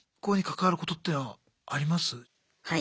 はい。